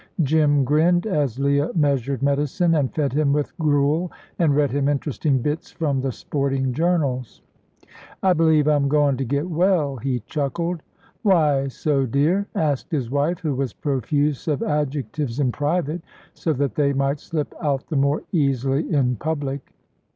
Jim grinned as Leah measured medicine, and fed him with gruel, and read him interesting bits from the sporting journals. "I believe I'm goin' to get well," he chuckled. "Why so, dear?" asked his wife, who was profuse of adjectives in private, so that they might slip out the more easily in public.